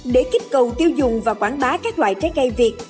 để kích cầu tiêu dùng và quảng bá các loại trái cây việt